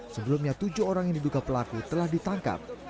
sebelumnya tujuh orang yang diduga pelaku telah ditangkap